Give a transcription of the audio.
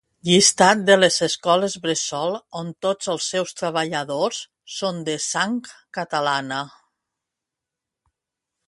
Llistat de les escoles bressol on tots els seus treballadors són de sang catalana